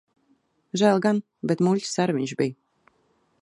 Žēl gan. Bet muļķis ar viņš bij.